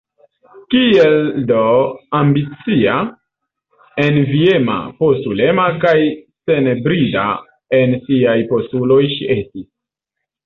Kiel do ambicia, enviema, postulema kaj senbrida en siaj postuloj ŝi estis!